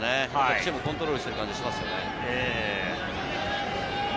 チームをコントロールしてる感じがしますよね。